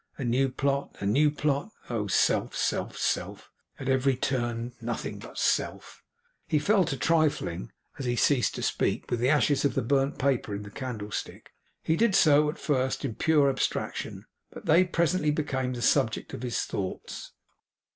A new plot; a new plot! Oh self, self, self! At every turn nothing but self!' He fell to trifling, as he ceased to speak, with the ashes of the burnt paper in the candlestick. He did so, at first, in pure abstraction, but they presently became the subject of his thoughts.